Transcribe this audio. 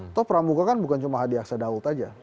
atau pramuka kan bukan cuma hadiah sedaut aja